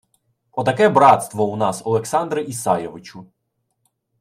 Отаке братство у нас, Олександре Ісайовичу